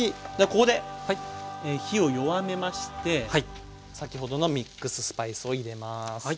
ここで火を弱めまして先ほどのミックススパイスを入れます。